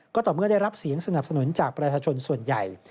ก็ต่อเมื่อได้รับเสียงสนับสนุนจากประชาชนส่วนใหญ่